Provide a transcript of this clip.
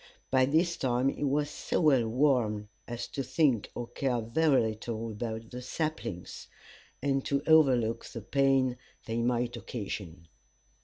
By this time he was so well warmed as to think or care very little about the saplings, and to overlook the pain they might occasion.